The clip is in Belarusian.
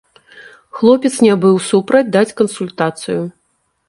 Хлопец не быў супраць даць кансультацыю.